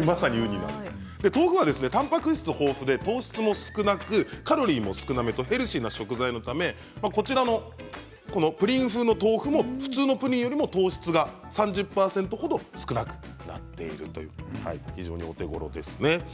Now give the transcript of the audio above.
豆腐はたんぱく質も豊富で糖質も少なくカロリーも少なめとヘルシーな食材なためプリン風の豆腐も普通のプリンよりも糖質が３０％ほど少なくなっている非常にお手ごろですね。